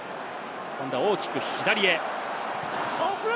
今度は大きく左へ。